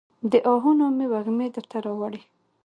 د آهونو مې وږمې درته راوړي